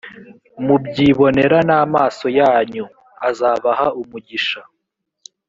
mubyibonera n’amaso yanyu azabaha umugisha?